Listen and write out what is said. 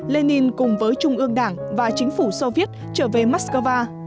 lenin cùng với trung ương đảng và chính phủ soviet trở về moscow